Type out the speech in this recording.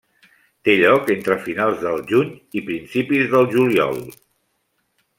Té lloc entre finals del juny i principis del juliol.